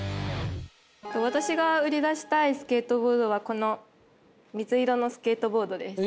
私が売り出したいスケートボードはこの水色のスケートボードです。